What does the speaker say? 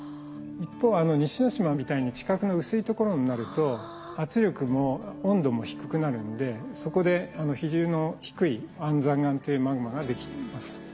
一方西之島みたいに地殻の薄いところになると圧力も温度も低くなるのでそこで比重の低い安山岩というマグマができます。